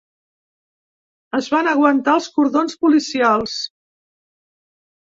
Es van aguantar els cordons policials.